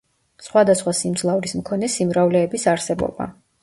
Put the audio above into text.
სხვადასხვა სიმძლავრის მქონე სიმრავლეების არსებობა.